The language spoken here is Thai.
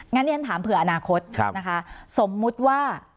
งั้นฉันถามเผื่ออนาคตนะคะ